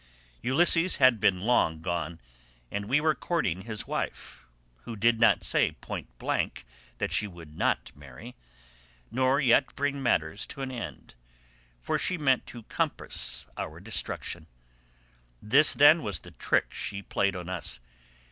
Ulysses had been long gone, and we were courting his wife, who did not say point blank that she would not marry, nor yet bring matters to an end, for she meant to compass our destruction: this, then, was the trick she played us.